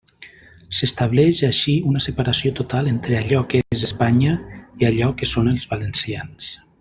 S'estableix així una separació total entre allò que és Espanya i allò que són els valencians.